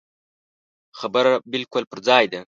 خبره بالکل پر ځای ده.